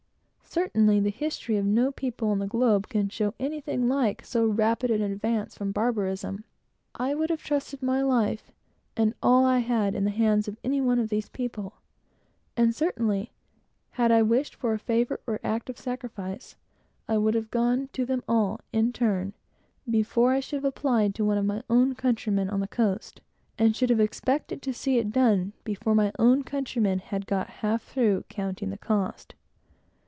Certainly, the history of no people on the globe can show anything like so rapid an advance. I would have trusted my life and my fortune in the hands of any one of these people; and certainly had I wished for a favor or act of sacrifice, I would have gone to them all, in turn, before I should have applied to one of my own countrymen on the coast, and should have expected to have seen it done, before my own countrymen had got half through counting the cost.